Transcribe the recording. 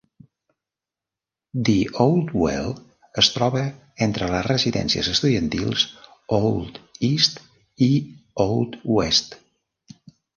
The Old Well es troba entre les residències estudiantils Old East i Old West.